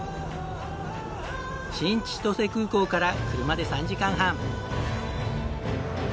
新千歳空港から車で３時間半。